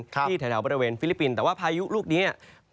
ที่แถวบริเวณฟิลิปปินส์แต่ว่าพายุลูกนี้